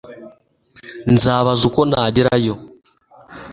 Nzabaza uko nagerayo